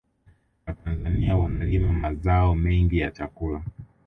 watanzania wanalima mazao mengi ya chakula